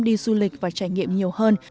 đi du lịch và trải nghiệm nhiều hơn